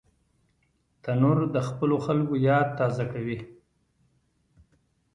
تنور د خپلو خلکو یاد تازه کوي